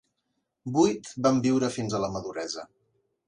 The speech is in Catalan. Vuit van viure fins a la maduresa.